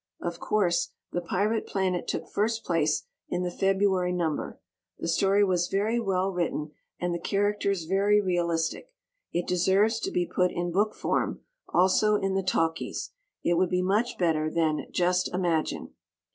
Of course, "The Pirate Planet" took first place in the February number. The story was very well written and the characters very realistic. It deserves to be put in book form, also in the talkies. It would be much better than "Just Imagine."